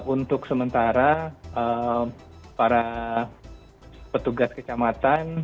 untuk sementara para petugas kecamatan